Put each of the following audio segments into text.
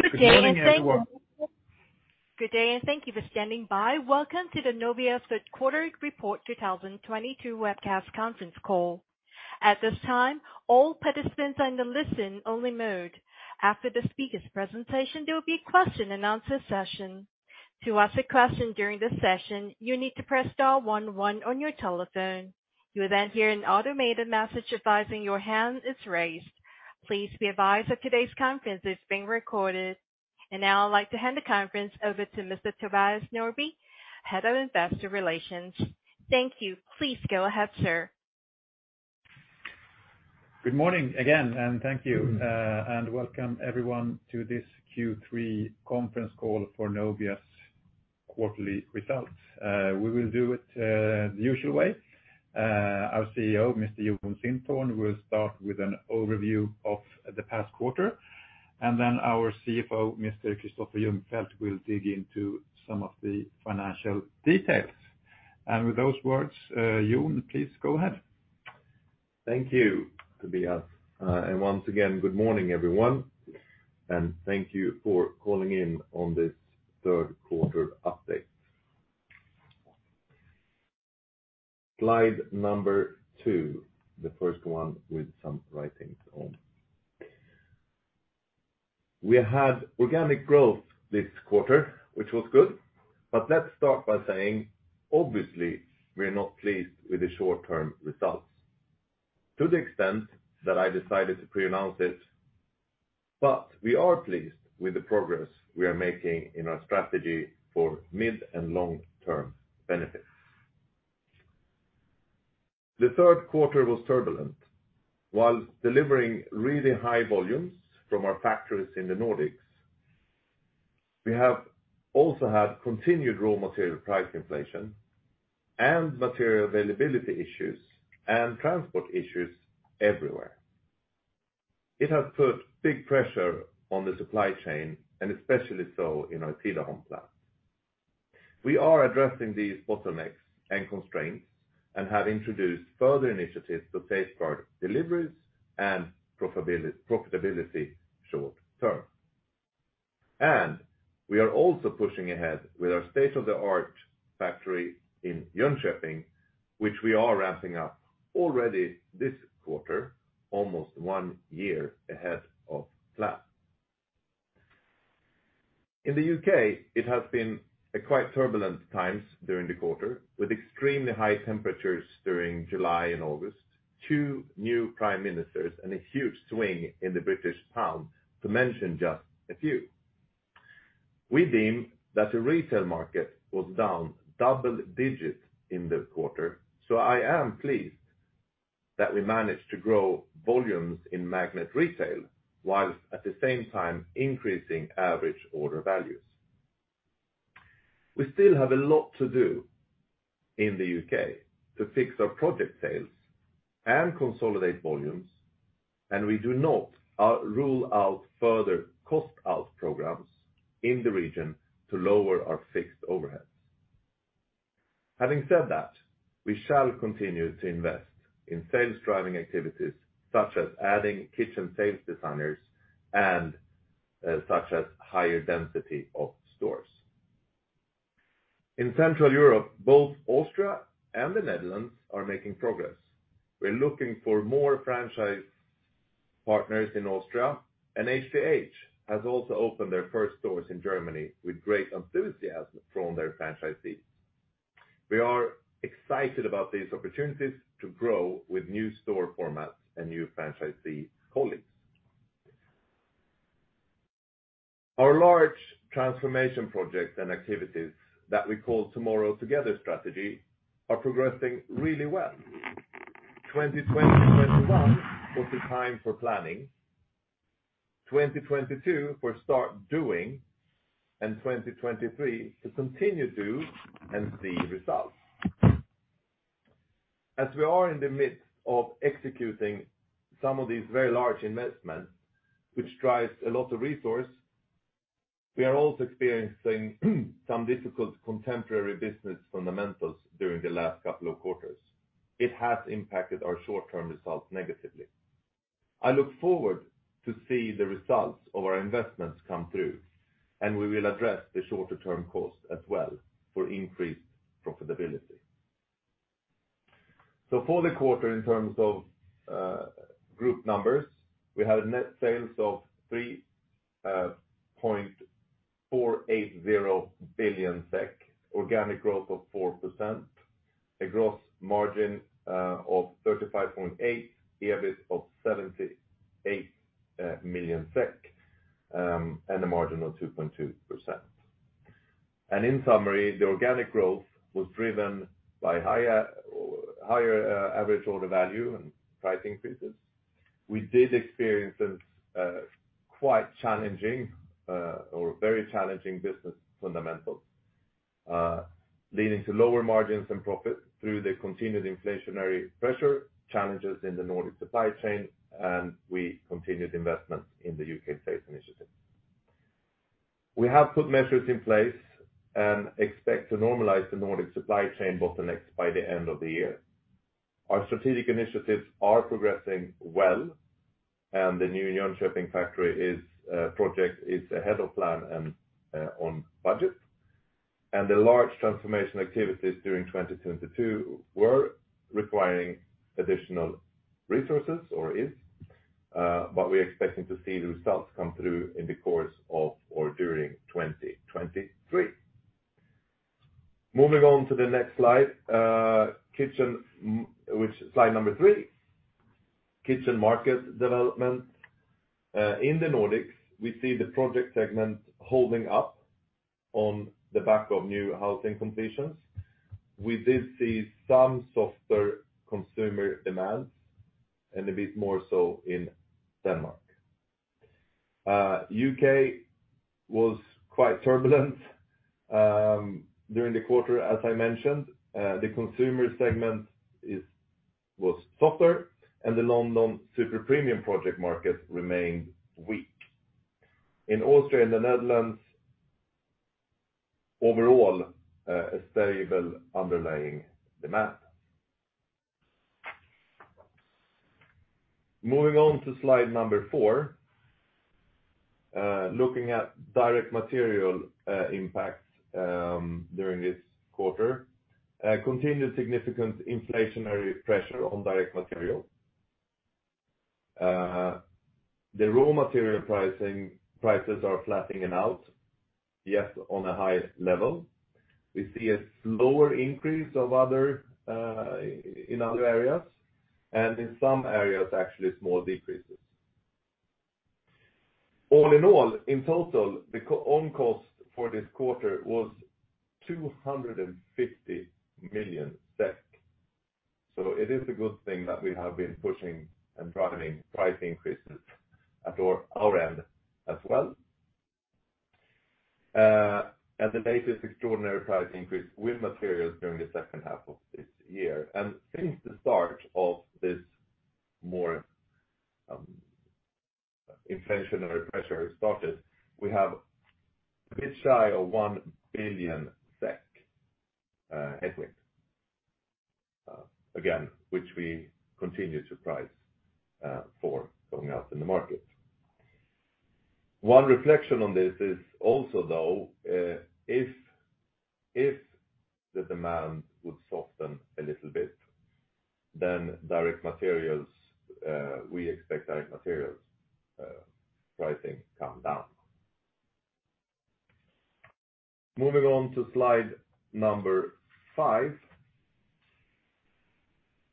Good day, and thank you for standing by. Welcome to the Nobia's Third 1/4 Report 2022 webcast conference call. At this time, all participants are in the Listen-Only mode. After the speaker's presentation, there will be a question and answer session. To ask a question during the session, you need to press star one one on your telephone. You will then hear an automated message advising your hand is raised. Please be advised that today's conference is being recorded. Now I'd like to hand the conference over to Mr. Tobias Norrby, Head of Investor Relations. Thank you. Please go ahead, sir. Good morning again, and thank you, and welcome everyone to this Q3 conference call for Nobia's quarterly results. We will do it, the usual way. Our CEO, Mr. Jon Sintorn, will start with an overview of the past 1/4, and then our CFO, Mr. Kristoffer Ljungfelt, will dig into some of the financial details. With those words, Jon, please go ahead. Thank you, Tobias. Once again, good morning, everyone, and thank you for calling in on this third 1/4 update. Slide number 2, the first one with some writings on. We had organic growth this 1/4, which was good, but let's start by saying, obviously, we're not pleased with the Short-Term results to the extent that I decided to Pre-announce it, but we are pleased with the progress we are making in our strategy for mid and long-term benefits. The third 1/4 was turbulent. While delivering really high volumes from our factories in the Nordics, we have also had continued raw material price inflation and material availability issues and transport issues everywhere. It has put big pressure on the supply chain, and especially so in our Tidaholm plant. We are addressing these bottlenecks and constraints and have introduced further initiatives to safeguard deliveries and profitability short term. We are also pushing ahead with our State-Of-The-Art factory in Jönköping, which we are ramping up already this 1/4, almost one year ahead of plan. In the UK, it has been a quite turbulent times during the 1/4 with extremely high temperatures during July and August, 2 new prime ministers and a huge swing in the British pound, to mention just a few. We deem that the retail market was down double digits in the 1/4, so I am pleased that we managed to grow volumes in Magnet retail while at the same time increasing average order values. We still have a lot to do in the UK to fix our project sales and consolidate volumes, and we do not rule out further cost out programs in the region to lower our fixed overheads. Having said that, we shall continue to invest in Sales-Driving activities, such as adding kitchen sales designers and such as higher density of stores. In Central Europe, both Austria and the Netherlands are making progress. We're looking for more franchise partners in Austria, and HTH has also opened their first stores in Germany with great enthusiasm from their franchisees. We are excited about these opportunities to grow with new store formats and new franchisee colleagues. Our large transformation projects and activities that we call Tomorrow Together strategy are progressing really well. 2020 to 2021 was the time for planning. 2022 for start doing, and 2023 to continue do and see results. As we are in the midst of executing some of these very large investments, which drives a lot of resource, we are also experiencing some difficult contemporary business fundamentals during the last couple of quarters. It has impacted our Short-Term results negatively. I look forward to see the results of our investments come through, and we will address the Shorter-Term cost as well for increased profitability. For the 1/4 in terms of group numbers, we had net sales of 3.480 billion SEK, organic growth of 4%, a gross margin of 35.8%, EBIT of 78 million SEK, and a margin of 2.2%. In summary, the organic growth was driven by higher average order value and price increases. We did experience some quite challenging or very challenging business fundamentals leading to lower margins and profit through the continued inflationary pressure, challenges in the Nordic supply chain, and continued investment in the UK sales initiative. We have put measures in place and expect to normalize the Nordic supply chain bottlenecks by the end of the year. Our strategic initiatives are progressing well, and the new Jönköping factory project is ahead of plan and on budget. The large transformation activities during 2022 were requiring additional resources, but we're expecting to see the results come through in the course of or during 2023. Moving on to the next Slide, which Slide number 3. Kitchen market development. In the Nordics, we see the project segment holding up on the back of new housing completions. We did see some softer consumer demands and a bit more so in Denmark. UK was quite turbulent during the 1/4, as I mentioned. The consumer segment was softer, and the London super premium project market remained weak. In Austria and the Netherlands, overall, a stable underlying demand. Moving on to Slide number 4, looking at direct material impacts during this 1/4. Continued significant inflationary pressure on direct material. The raw material prices are flattening out, yet on a higher level. We see a slower increase in other areas, and in some areas, actually small decreases. All in all, in total, the COGS for this 1/4 was 250 million SEK. It is a good thing that we have been pushing and driving price increases at our end as well. The latest extraordinary price increase with materials during the second 1/2 of this year. Since the start of this more inflationary pressure started, we have a bit shy of 1 billion SEK headwind. Again, which we continue to price for going out in the market. One reflection on this is also, though, if the demand would soften a little bit, then direct materials we expect pricing come down. Moving on to Slide number 5.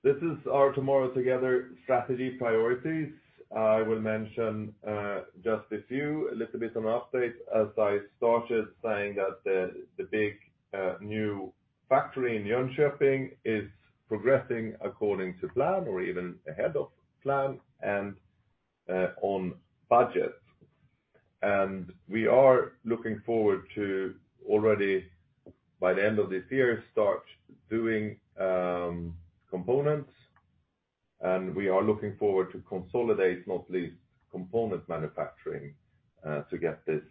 This is our Tomorrow Together strategy priorities. I will mention just a few, a little bit on updates as I started saying that the big new factory in Jönköping is progressing according to plan or even ahead of plan and on budget. We are looking forward to already, by the end of this year, start doing components, and we are looking forward to consolidate, not least component manufacturing, to get this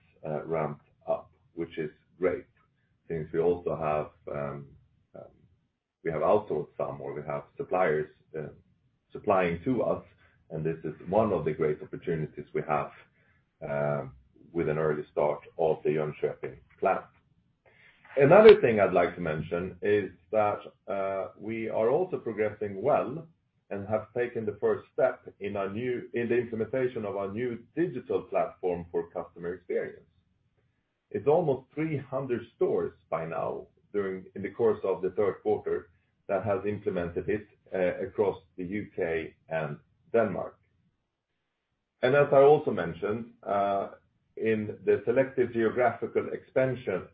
ramped up, which is great since we also have outsourced some or we have suppliers supplying to us, and this is one of the great opportunities we have with an early start of the Jönköping plant. Another thing I'd like to mention is that we are also progressing well and have taken the first step in the implementation of our new digital platform for customer experience. It's almost 300 stores by now, in the course of the third 1/4 that has implemented it across the UK and Denmark. As I also mentioned, in the selective geographical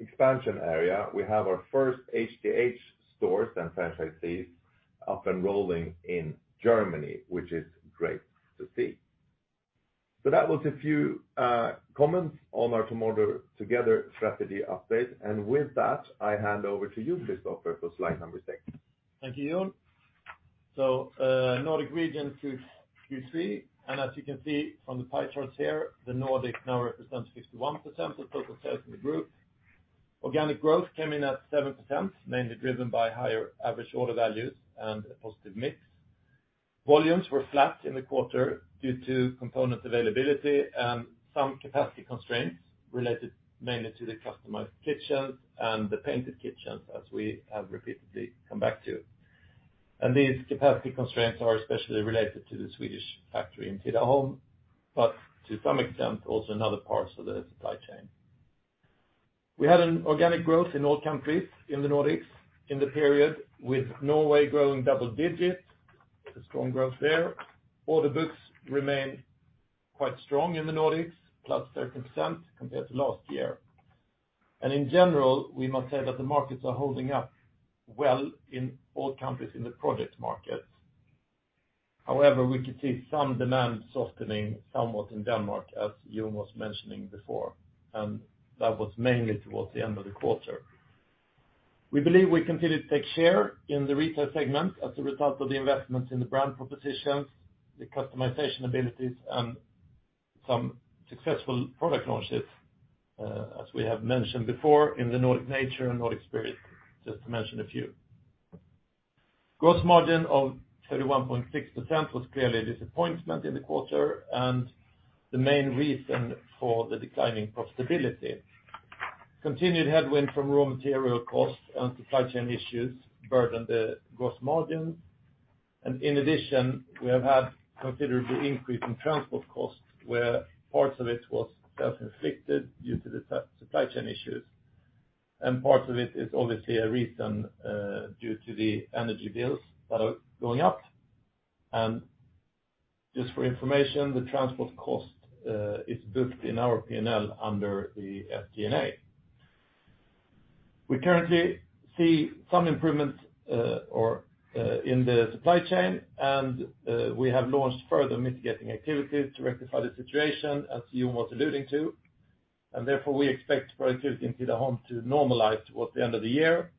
expansion area, we have our first HTH stores and franchisees up and rolling in Germany, which is great to see. That was a few comments on our Tomorrow Together strategy update. With that, I hand over to you, Kristoffer, for Slide number 6. Thank you, Jon. Nordic region Q3, and as you can see from the pie charts here, the Nordic now represents 51% of total sales in the group. Organic growth came in at 7%, mainly driven by higher average order values and a positive mix. Volumes were flat in the 1/4 due to component availability and some capacity constraints related mainly to the customized kitchens and the painted kitchens as we have repeatedly come back to. These capacity constraints are especially related to the Swedish factory in Tidaholm, but to some extent, also in other parts of the supply chain. We had an organic growth in all countries in the Nordics in the period with Norway growing double digits, a strong growth there. Order books remain quite strong in the Nordics, +13% compared to last year. In general, we must say that the markets are holding up well in all countries in the project markets. However, we could see some demand softening somewhat in Denmark, as Jon was mentioning before, and that was mainly towards the end of the 1/4. We believe we continue to take share in the retail segment as a result of the investments in the brand propositions, the customization abilities, and some successful product launches, as we have mentioned before in the Nordic Nature and Nordic Spirit, just to mention a few. Gross margin of 31.6% was clearly a disappointment in the 1/4, and the main reason for the declining profitability. Continued headwind from raw material costs and supply chain issues burdened the gross margins. In addition, we have had considerable increase in transport costs, where parts of it was self-inflicted due to the supply chain issues. Parts of it is obviously a reason due to the energy bills that are going up. Just for information, the transport cost is booked in our P&L under the FD&A. We currently see some improvements in the supply chain, and we have launched further mitigating activities to rectify the situation, as Jon was alluding to. Therefore, we expect productivity into the home to normalize towards the end of the year,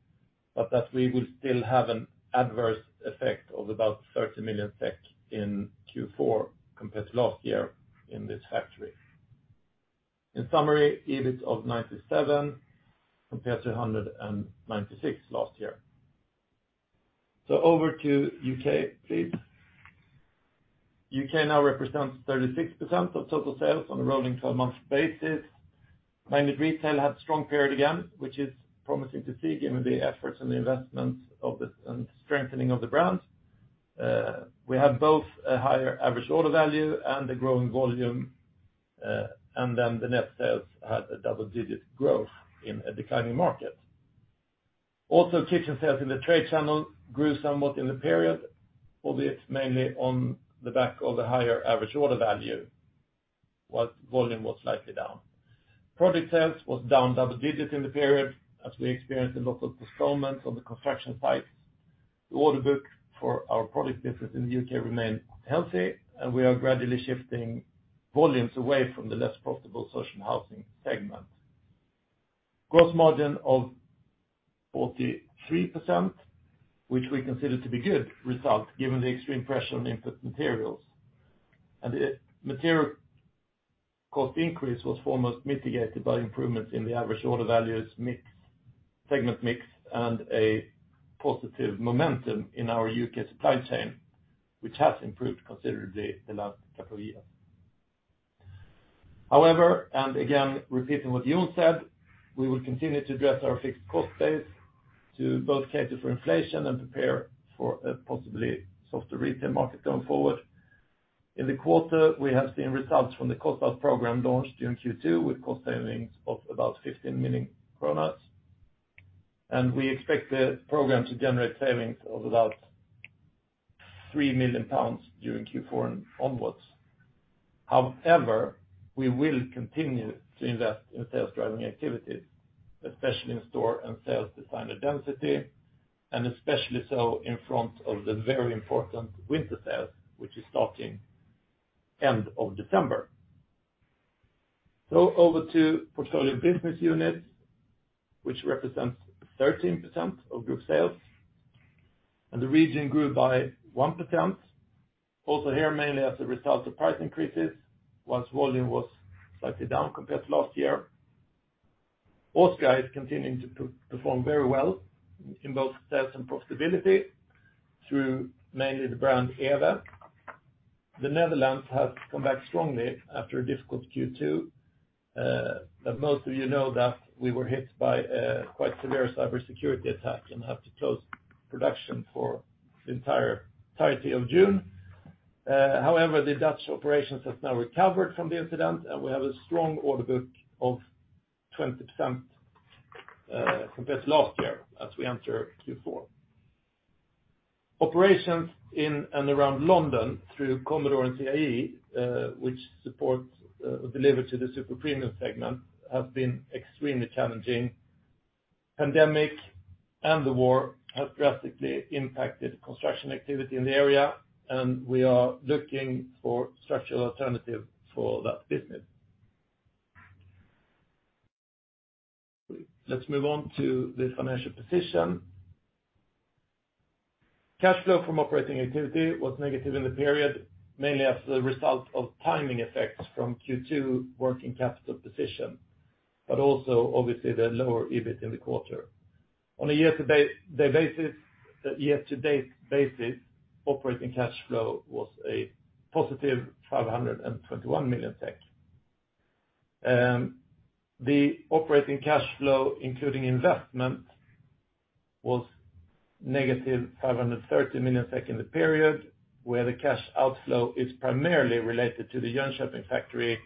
but that we will still have an adverse effect of about 30 million SEK in Q4 compared to last year in this factory. In summary, EBIT of 97 compared to 196 last year. Over to UK, please. UK now represents 36% of total sales on a rolling twelve-month basis. Managed retail had strong period again, which is promising to see given the efforts and the investments and strengthening of the brand. We have both a higher average order value and a growing volume, and then the net sales had a Double-Digit growth in a declining market. Also, kitchen sales in the trade channel grew somewhat in the period, albeit mainly on the back of the higher average order value, while volume was slightly down. Project sales was down double digits in the period as we experienced a lot of postponements on the construction sites. The order book for our project business in the UK remained healthy, and we are gradually shifting volumes away from the less profitable social housing segment. Gross margin of 43%, which we consider to be good result given the extreme pressure on input materials. The material cost increase was foremost mitigated by improvements in the average order values mix, segment mix, and a positive momentum in our UK supply chain, which has improved considerably the last couple of years. However, and again repeating what Jon said, we will continue to address our fixed cost base to both cater for inflation and prepare for a possibly softer retail market going forward. In the 1/4, we have seen results from the cost base program launched during Q2 with cost savings of about 15 million kronor. We expect the program to generate savings of about 3 million pounds during Q4 and onwards. However, we will continue to invest in sales-driving activities, especially in store and sales designer density, and especially so in front of the very important winter sales, which is starting end of December. Over to portfolio business units, which represents 13% of group sales. The region grew by 1%, also here mainly as a result of price increases, while volume was slightly down compared to last year. Austria is continuing to perform very well in both sales and profitability through mainly the brand Ewe. The Netherlands has come back strongly after a difficult Q2. Most of you know that we were hit by a quite severe cybersecurity attack and had to close production for the entirety of June. However, the Dutch operations have now recovered from the incident, and we have a strong order book of 20% compared to last year as we enter Q4. Operations in and around London through Commodore and CIE, which supports or deliver to the super premium segment, have been extremely challenging. Pandemic and the war have drastically impacted construction activity in the area, and we are looking for structural alternative for that business. Let's move on to the financial position. Cash flow from operating activity was negative in the period, mainly as a result of timing effects from Q2 working capital position, but also obviously the lower EBIT in the 1/4. On a Year-To-Date basis, operating cash flow was a positive 521 million. The operating cash flow, including investment, was negative 530 million in the period, where the cash outflow is primarily related to the Jönköping factory,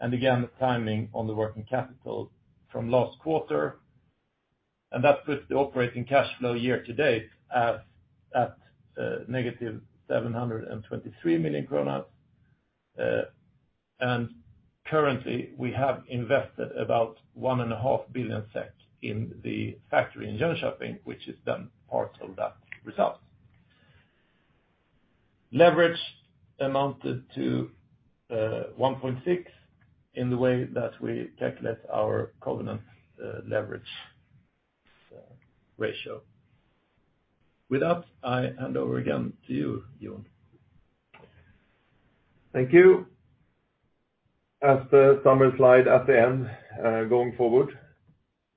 and again, the timing on the working capital from last 1/4. That puts the operating cash flow year to date at negative 723 million kronor. Currently, we have invested about SEK one and a 1/2 billion in the factory in Jönköping, which is then part of that result. Leverage amounted to 1.6 in the way that we calculate our covenant leverage ratio. With that, I hand over again to you, Jon. Thank you. As the summary Slide at the end, going forward,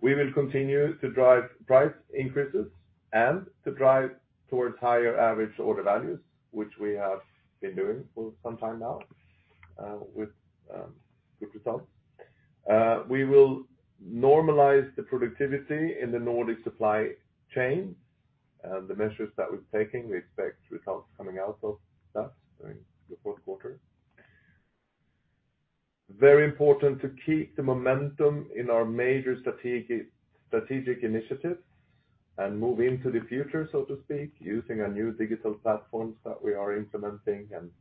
we will continue to drive price increases and to drive towards higher average order values, which we have been doing for some time now, with good results. We will normalize the productivity in the Nordic supply chain. The measures that we're taking, we expect results coming out of that during the fourth 1/4. Very important to keep the momentum in our major strategic initiatives and move into the future, so to speak, using our new digital platforms that we are implementing and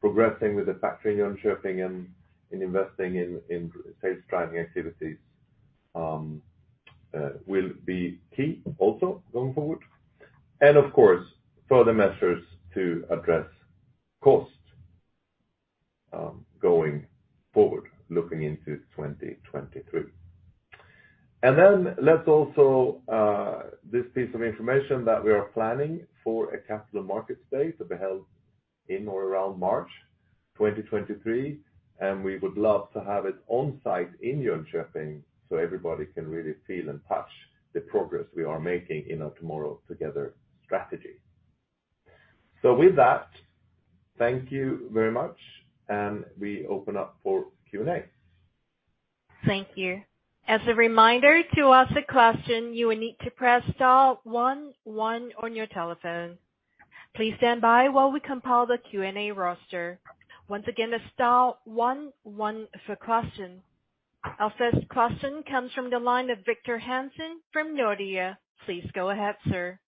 progressing with the factory in Jönköping and investing in Sales-Driving activities, will be key also going forward. Of course, further measures to address costs, going forward looking into 2023. Let's also this piece of information that we are planning for a Capital Markets Day to be held in or around March 2023, and we would love to have it on site in Jönköping so everybody can really feel and touch the progress we are making in our Tomorrow Together strategy. With that, thank you very much, and we open up for Q&A. Thank you. As a reminder, to ask a question, you will need to press star one one on your telephone. Please stand by while we compile the Q&A roster. Once again, that's star one one for question. Our first question comes from the line of Victor Hansen from Nordea. Please go ahead, sir.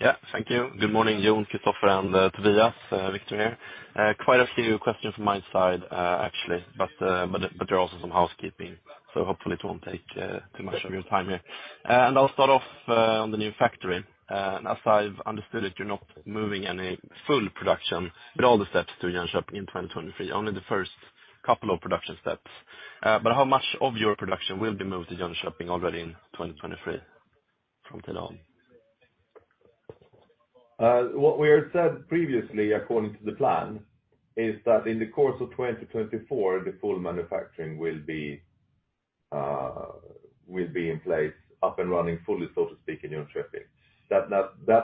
Yeah, thank you. Good morning, Jon, Kristoffer, and Tobias. Victor here. Quite a few questions from my side, actually, but there are also some housekeeping, so hopefully it won't take too much of your time here. I'll start off on the new factory. As I've understood it, you're not moving any full production with all the steps to Jönköping in 2023, only the first couple of production steps. How much of your production will be moved to Jönköping already in 2023 from Tidaholm? What we have said previously according to the plan is that in the course of 2024, the full manufacturing will be in place up and running fully, so to speak, in Jönköping. That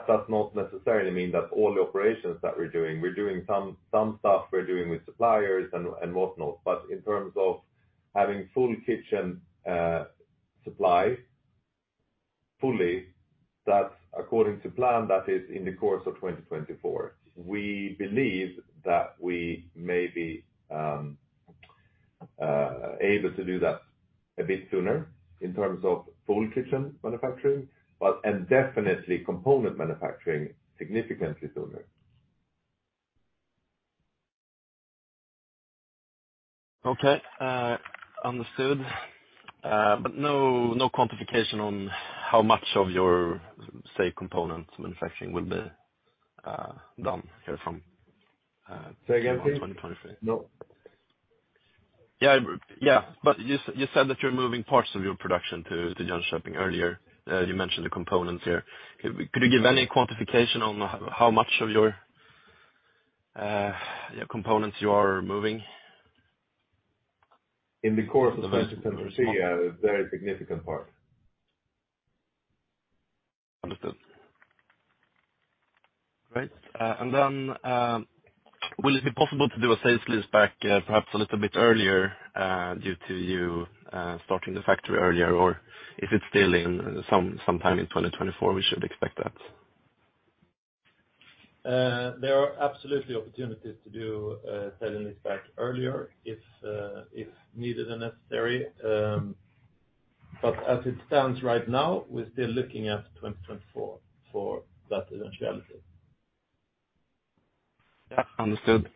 does not necessarily mean that all the operations that we're doing some stuff with suppliers and whatnot. In terms of having full kitchen supply fully, that's according to plan, that is in the course of 2024. We believe that we may be able to do that a bit sooner in terms of full kitchen manufacturing, and definitely component manufacturing significantly sooner. Okay. Understood. No quantification on how much of your, say, component manufacturing will be done here from. Say again, please. 2023? No. Yeah. Yeah. You said that you're moving parts of your production to Jönköping earlier. You mentioned the components here. Could you give any quantification on how much of your components you are moving? In the course of 2023, a very significant part. Understood. Great. Will it be possible to do a sale-leaseback, perhaps a little bit earlier, due to you starting the factory earlier? Or is it still sometime in 2024 we should expect that? There are absolutely opportunities to do a sales leaseback earlier if needed and necessary. As it stands right now, we're still looking at 2024 for that eventuality. Yeah. Understood.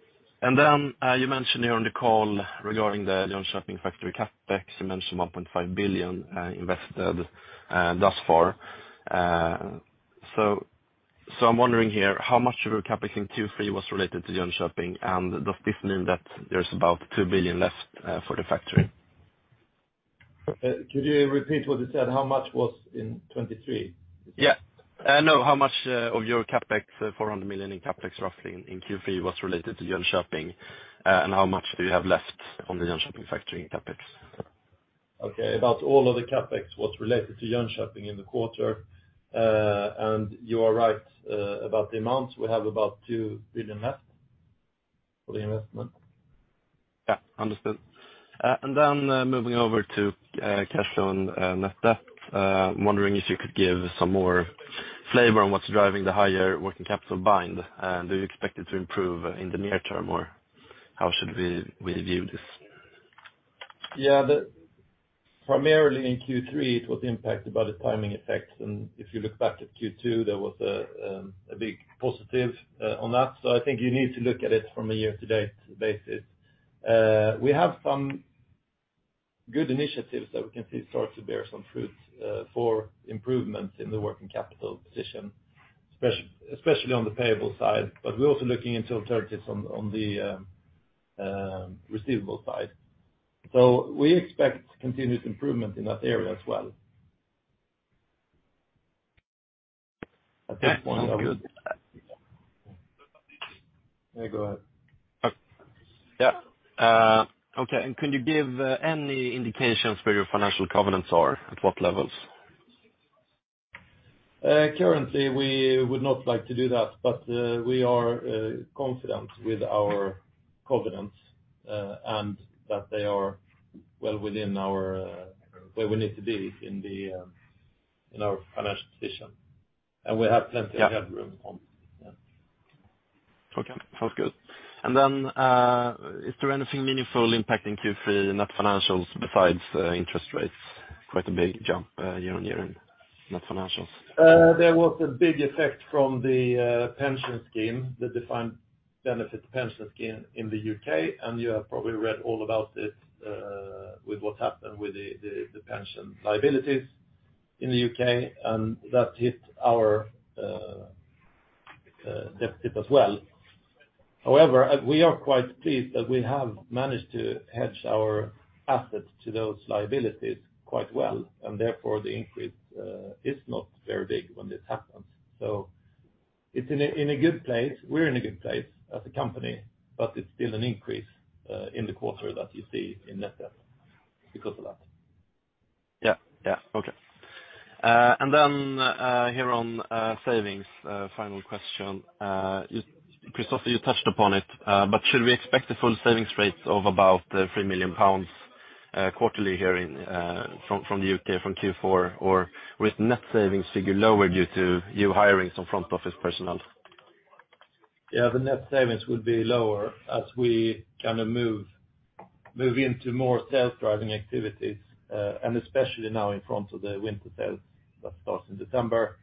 You mentioned here on the call regarding the Jönköping factory CapEx, you mentioned 1.5 billion invested thus far. So I'm wondering here, how much of your CapEx in Q3 was related to Jönköping, and does this mean that there's about 2 billion left for the factory? Could you repeat what you said? How much was in 2023? Yeah. No, how much of your CapEx, 400 million in CapEx roughly in Q3, was related to Jönköping, and how much do you have left on the Jönköping factory in CapEx? Okay. About all of the CapEx was related to Jönköping in the 1/4. You are right about the amount. We have about 2 billion left for the investment. Yeah. Understood. Moving over to cash flow and net debt. I'm wondering if you could give some more flavor on what's driving the higher working capital bind. Do you expect it to improve in the near term, or how should we view this? Yeah. Primarily in Q3 it was impacted by the timing effect. If you look back at Q2, there was a big positive on that. I think you need to look at it from a year-to-date basis. We have some- Good initiatives that we can see start to bear some fruit for improvement in the working capital position, especially on the payable side, but we're also looking into alternatives on the receivable side. We expect continued improvement in that area as well. Sounds good. Yeah, go ahead. Can you give any indications where your financial covenants are, at what levels? Currently, we would not like to do that, but we are confident with our covenants, and that they are well within our where we need to be in our financial position. We have plenty of headroom on. Okay. Sounds good. Is there anything meaningful impacting Q3 net financials besides interest rates? Quite a big jump year-on-year in net financials. There was a big effect from the pension scheme, the defined benefit pension scheme in the UK, and you have probably read all about it with what happened with the pension liabilities in the UK, and that hit our deficit as well. However, we are quite pleased that we have managed to hedge our assets to those liabilities quite well, and therefore the increase is not very big when this happens. It's in a good place. We're in a good place as a company, but it's still an increase in the 1/4 that you see in net debt because of that. Okay. Here on savings, final question. Kristoffer, you touched upon it, but should we expect the full savings rate of about 3 million pounds quarterly from the UK from Q4, or with net savings figure lower due to you hiring some front office personnel? Yeah, the net savings will be lower as we move into more sales-driving activities, and especially now in front of the winter sales that starts in December.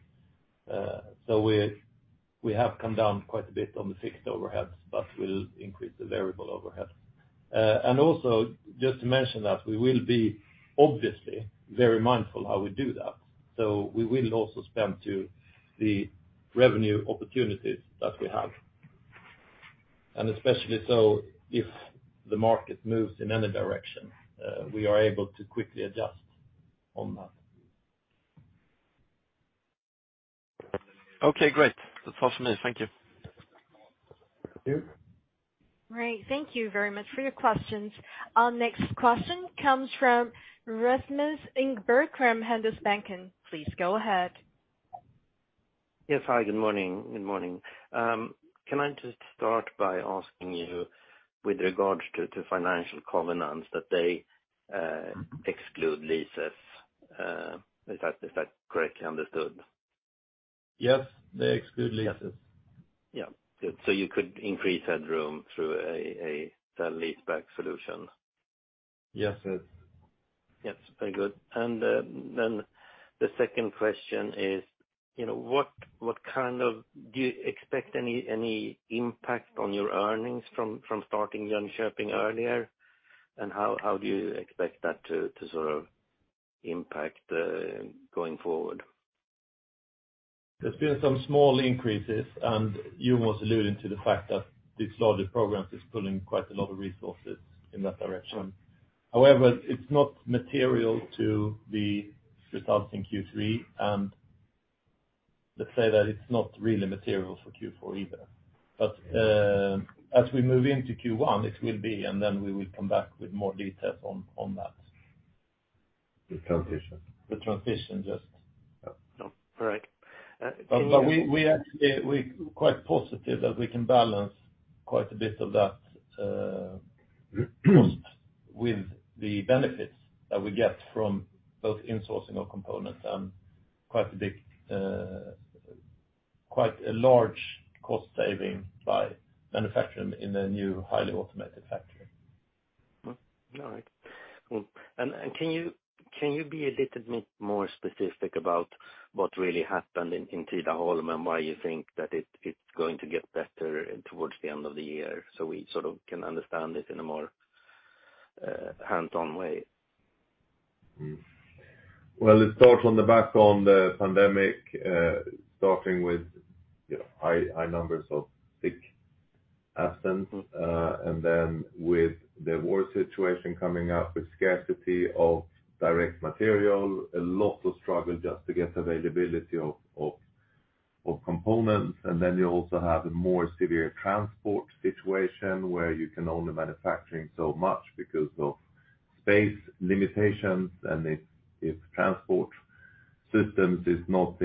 We have come down quite a bit on the fixed overheads, but we'll increase the variable overheads. Also just to mention that we will be obviously very mindful how we do that. We will also spend to the revenue opportunities that we have. Especially so if the market moves in any direction, we are able to quickly adjust on that. Okay, great. That's all for me. Thank you. Thank you. Great. Thank you very much for your questions. Our next question comes from Rasmus Engberg from Handelsbanken. Please go ahead. Yes. Hi, good morning. Good morning. Can I just start by asking you with regards to financial covenants that they is that correctly understood? Yes, they exclude leases. Yeah. Good. You could increase headroom through a leaseback solution? Yes, yes. Yes. Very good. Then the second question is, you know, what kind of do you expect any impact on your earnings from starting Jönköping earlier? And how do you expect that to sort of impact going forward? There's been some small increases, and Jon was alluding to the fact that this larger program is pulling quite a lot of resources in that direction. However, it's not material to the results in Q3, and let's say that it's not really material for Q4 either. As we move into Q1, it will be, and then we will come back with more details on that. The transition. The transition, yes. All right. We're quite positive that we can balance quite a bit of that cost with the benefits that we get from both insourcing our components and quite a big, quite a large cost saving by manufacturing in the new highly automated factory. All right. Cool. Can you be a little bit more specific about what really happened in Tidaholm and why you think that it's going to get better towards the end of the year? We sort of can understand it in a more hands-on way. Well, it starts on the back of the pandemic, starting with high numbers of sick absence, and then with the war situation coming up, with scarcity of direct material, a lot of struggle just to get availability of components. Then you also have a more severe transport situation where you can only manufacture so much because of space limitations. If transport systems is not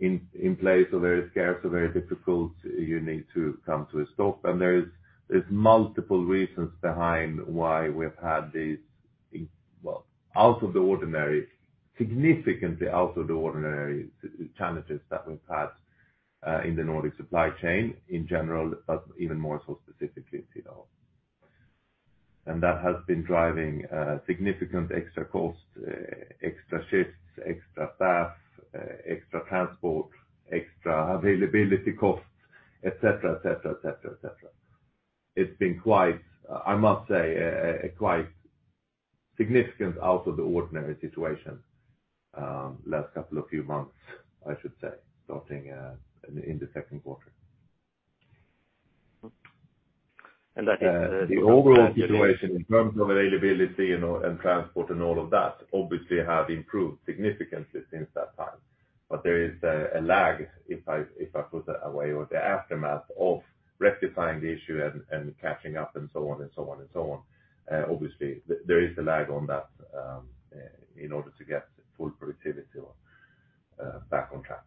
in place or very scarce or very difficult, you need to come to a stop. There's multiple reasons behind why we've had these out of the ordinary, significantly out of the ordinary challenges that we've had, in the Nordic supply chain in general, but even more so specifically at Tidaholm. That has been driving significant extra costs, extra shifts, extra staff, extra transport, extra availability costs, et cetera, et cetera, et cetera, et cetera. It's been quite, I must say, a quite significant out of the ordinary situation, last few months, I should say, starting in the second 1/4. That is. The overall situation in terms of availability, you know, and transport and all of that obviously have improved significantly since that time. There is a lag if I put it that way, or the aftermath of rectifying the issue and catching up and so on. Obviously there is a lag on that, in order to get full productivity back on track.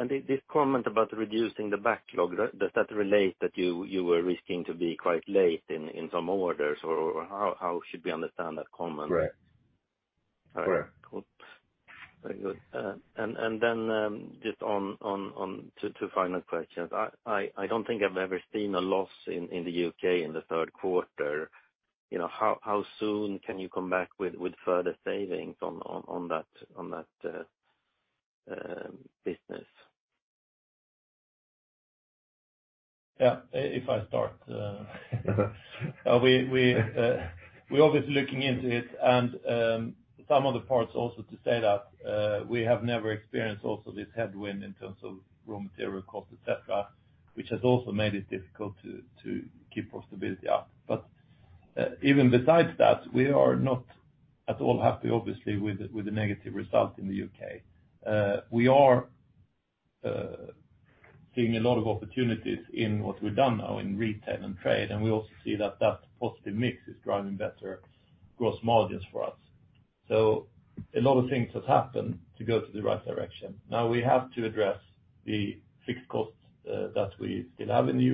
This comment about reducing the backlog, does that relate that you were risking to be quite late in some orders? Or how should we understand that comment? Correct. Correct. All right, cool. Very good. Just on 2 final questions. I don't think I've ever seen a loss in the UK in the third 1/4. You know, how soon can you come back with further savings on that business? Yeah. If I start. We are obviously looking into it and some of the parts also to say that we have never experienced also this headwind in terms of raw material cost, et cetera, which has also made it difficult to keep profitability up. Even besides that, we are not at all happy obviously with the negative result in the UK. We are seeing a lot of opportunities in what we've done now in retail and trade, and we also see that positive mix is driving better gross margins for us. A lot of things have happened to go to the right direction. Now we have to address the fixed costs that we still have in the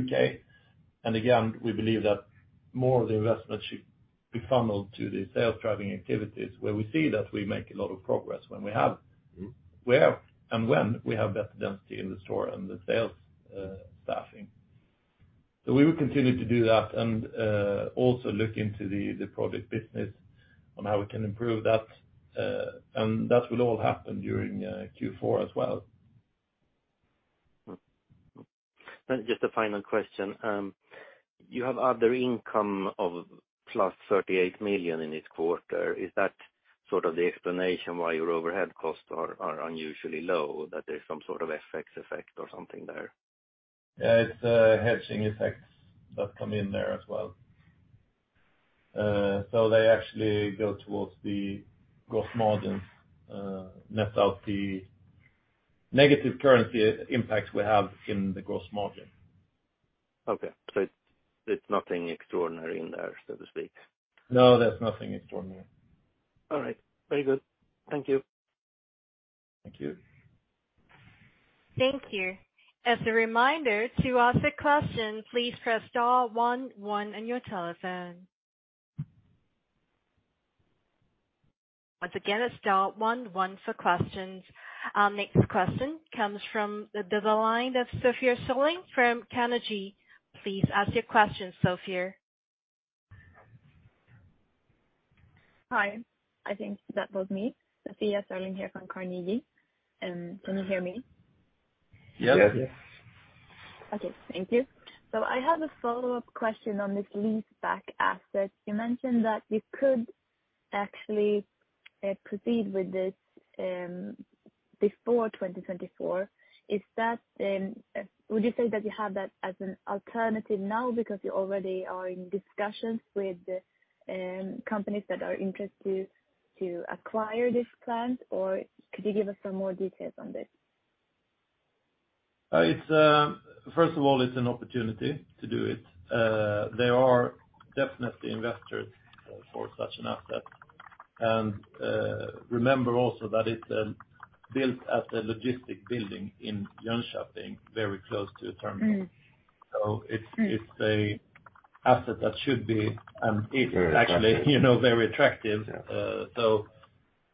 UK. Again, we believe that more of the investment should be funneled to the sales-driving activities where we see that we make a lot of progress when we have. Mm-hmm... where and when we have better density in the store and the sales, staffing. We will continue to do that and also look into the project business on how we can improve that. That will all happen during Q4 as well. Just a final question. You have other income of +38 million in this 1/4. Is that sort of the explanation why your overhead costs are unusually low, that there's some sort of FX effect or something there? Yeah, it's hedging effects that come in there as well. They actually go towards the gross margins, net out the negative currency impacts we have in the gross margin. Okay. It's nothing extraordinary in there, so to speak. No, there's nothing extraordinary. All right. Very good. Thank you. Thank you. Thank you. As a reminder, to ask a question, please press star one one on your telephone. Once again, it's star one one for questions. Our next question comes from the line of Sophia af Forselles from Carnegie. Please ask your question, Sophia. Hi. I think that was me. Sophia af Forselles here from Carnegie. Can you hear me? Yes. Yes. Okay. Thank you. I have a follow-up question on this leaseback asset. You mentioned that you could actually proceed with this before 2024. Is that, would you say, that you have that as an alternative now because you already are in discussions with companies that are interested to acquire this plant? Or could you give us some more details on this? It's an opportunity to do it. There are definitely investors for such an asset. Remember also that it's built as a logistics building in Jönköping, very close to the terminal. Mm-hmm. It's an asset that should be easy. Very attractive. Actually, you know, very attractive. Yeah.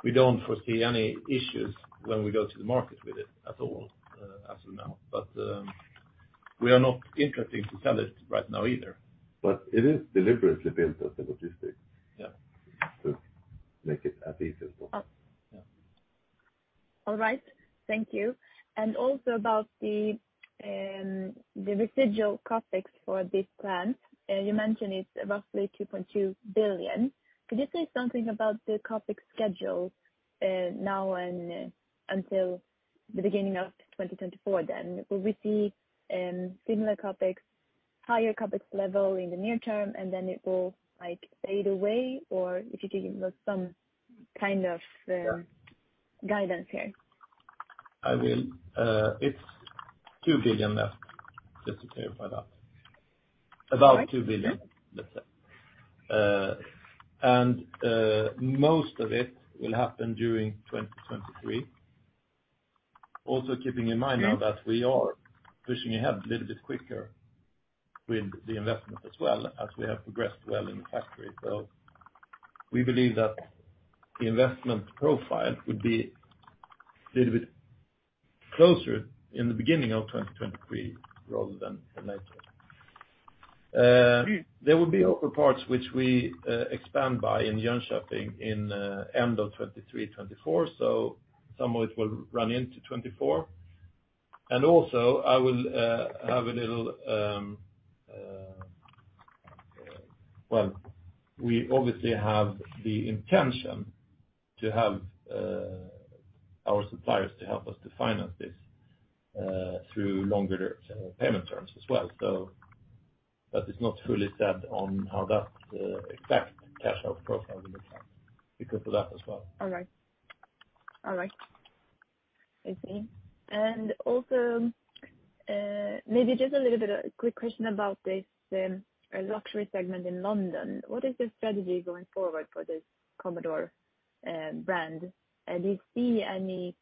We don't foresee any issues when we go to the market with it at all, as of now. We are not interested to sell it right now either. It is deliberately built as a logistics. Yeah. To make it a feasible. Oh. Yeah. All right. Thank you. Also about the residual CapEx for this plant. You mentioned it's roughly 2.2 billion. Could you say something about the CapEx schedule now and until the beginning of 2024 then? Will we see similar CapEx, higher CapEx level in the near term, and then it will, like, fade away? Or if you can give us some kind of guidance here. I will. It's 2 billion left, just to clarify that. All right. About SEK 2 billion, let's say. Most of it will happen during 2023. Also keeping in mind now that we are pushing ahead a little bit quicker with the investment as well, as we have progressed well in the factory. We believe that the investment profile would be a little bit closer in the beginning of 2023, rather than later. There will be other parts which we expand by in Jönköping in end of 2023, 2024. Some of it will run into 2024. We obviously have the intention to have our suppliers to help us to finance this through longer-term payment terms as well. It's not fully set on how that exact cashout profile will look like. We could do that as well. All right. I see. Also, maybe just a little bit, a quick question about this luxury segment in London. What is the strategy going forward for this Commodore brand? Do you see any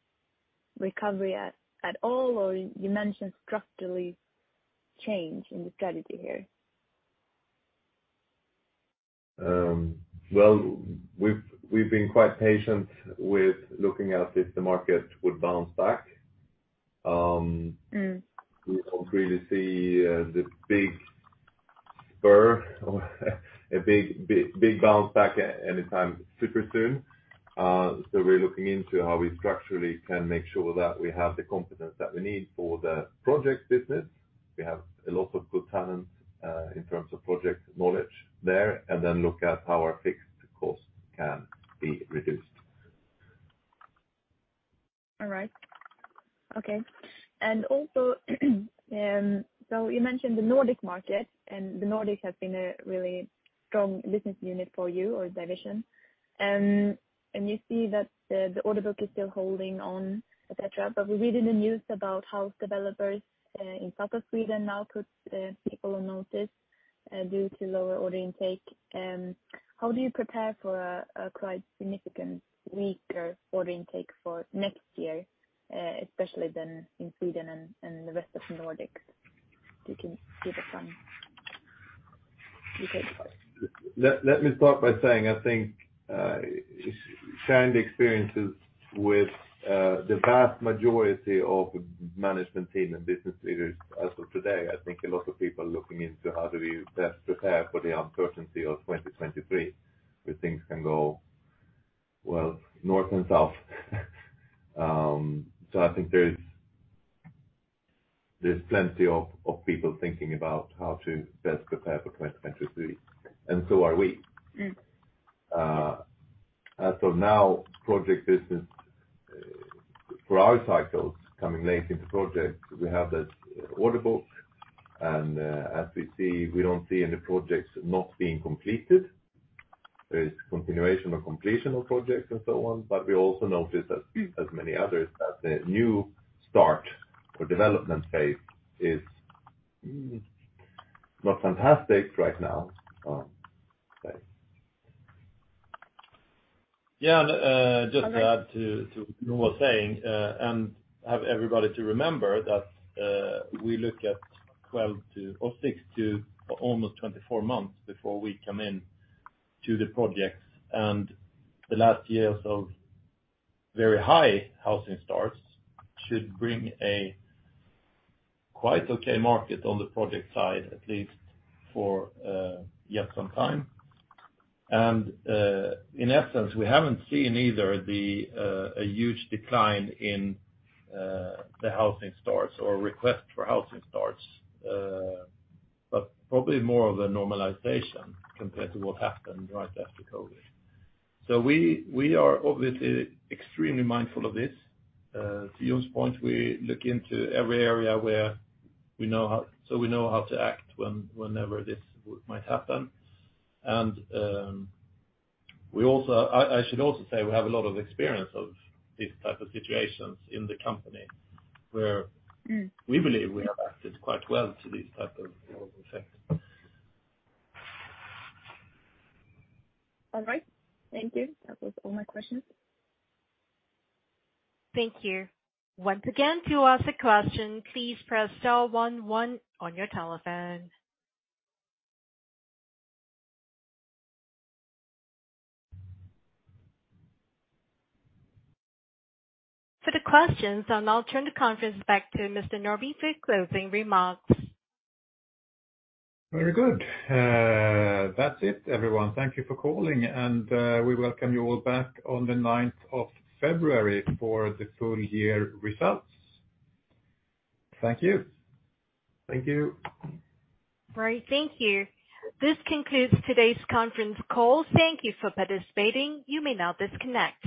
recovery at all, or you mentioned structural change in the strategy here? Well, we've been quite patient with looking at if the market would bounce back. Mm. We don't really see the big spurt or a big bounce back anytime super soon. We're looking into how we structurally can make sure that we have the competence that we need for the project business. We have a lot of good talent in terms of project knowledge there, and then look at how our fixed costs can be reduced. All right. Okay. You mentioned the Nordic market, and the Nordic has been a really strong business unit for you or division. You see that the order book is still holding on, et cetera. We read in the news about how developers in Southern Sweden now put people on notice due to lower order intake. How do you prepare for a quite significant weaker order intake for next year, especially then in Sweden and the rest of the Nordics? You can give us some details. Let me start by saying, I think, sharing the experiences with the vast majority of management team and business leaders as of today, I think a lot of people are looking into how do we best prepare for the uncertainty of 2023, where things can go, well, north and south. I think there's plenty of people thinking about how to best prepare for 2023, and so are we. Mm. As of now, project business for our clients coming late into projects, we have this order book. As we see, we don't see any projects not being completed. There is continuation or completion of projects and so on, but we also notice, as many others, that the new start for development phase is not fantastic right now. Yeah. Just to add to what Jon was saying, and have everybody remember that we look at 12 or 6 to almost 24 months before we come into the projects. The last years of very high housing starts should bring a quite okay market on the project side, at least for yet some time. In essence, we haven't seen either a huge decline in the housing starts or request for housing starts, but probably more of a normalization compared to what happened right after COVID. We are obviously extremely mindful of this. To Jon's point, we look into every area where we know how to act whenever this might happen. We also. I should also say we have a lot of experience of these type of situations in the company. Mm. We believe we have acted quite well to these type of global effects. All right. Thank you. That was all my questions. Thank you. Once again, to ask a question, please press star one one on your telephone. Further questions, I'll now turn the conference back to Mr. Norrby for closing remarks. Very good. That's it, everyone. Thank you for calling. We welcome you all back on the ninth of February for the full year results. Thank you. Thank you. All right. Thank you. This concludes today's conference call. Thank you for participating. You may now disconnect.